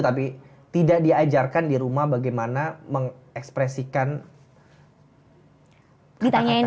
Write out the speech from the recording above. tapi tidak diajarkan di rumah bagaimana mengekspresikan